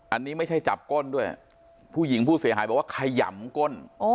อันนี้ไม่ใช่จับก้นด้วยผู้หญิงผู้เสียหายบอกว่าขยำก้น